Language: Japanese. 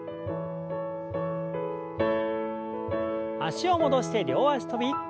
脚を戻して両脚跳び。